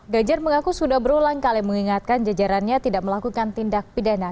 ganjar mengaku sudah berulang kali mengingatkan jajarannya tidak melakukan tindak pidana